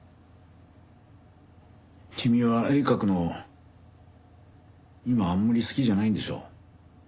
君は絵描くの今はあんまり好きじゃないんでしょ？